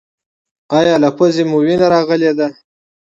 ایا له پوزې مو وینه راغلې ده؟